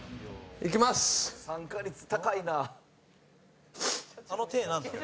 高橋：参加率、高いな。